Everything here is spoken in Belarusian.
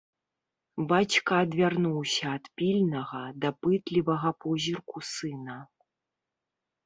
Бацька адвярнуўся ад пільнага, дапытлівага позірку сына.